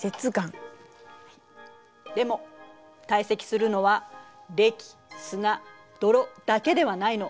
でも堆積するのはれき砂泥だけではないの。